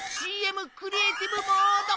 ＣＭクリエイティブモード！